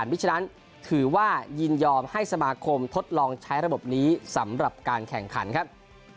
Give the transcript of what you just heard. ฉะนั้นถือว่ายินยอมให้สมาคมทดลองใช้ระบบนี้สำหรับการแข่งขันครับ